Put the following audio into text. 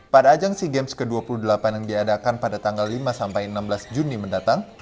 pada ajang sea games ke dua puluh delapan yang diadakan pada tanggal lima sampai enam belas juni mendatang